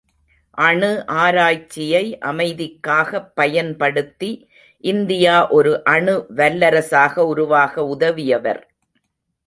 அணு ஆராய்ச்சியை அமைதிக்காகப் பயன்படுத்தி இந்தியா ஒரு அணு வல்லரசாக உருவாக உதவியவர்.